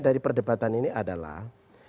dari perdebatan ini adalah